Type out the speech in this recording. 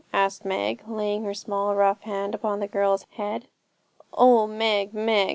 asked Meg, laying her small rough hand upon the girl's head. 'Oh, Meg, Meg!'